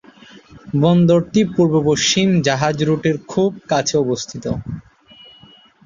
বন্দরটি পূর্ব পশ্চিম জাহাজ রুটের খুব কাছে অবস্থিত।